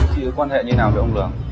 thì quan hệ như thế nào với ông lương